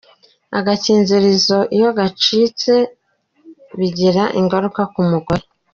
Agakingirizo iyo gacitse bigira ingaruka ku mugore .